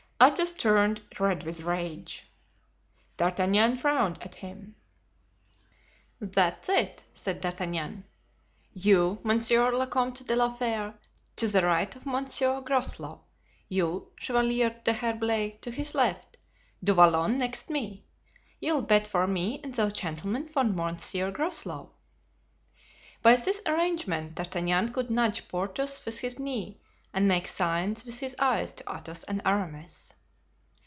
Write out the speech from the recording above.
Athos turned red with rage. D'Artagnan frowned at him. "That's it," said D'Artagnan; "you, Monsieur le Comte de la Fere, to the right of Monsieur Groslow. You, Chevalier d'Herblay, to his left. Du Vallon next me. You'll bet for me and those gentlemen for Monsieur Groslow." By this arrangement D'Artagnan could nudge Porthos with his knee and make signs with his eyes to Athos and Aramis.